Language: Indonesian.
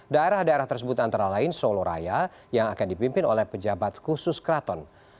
daerah daerah tersebut antara lain solo raya yang akan dipimpin oleh pejabat khusus keraton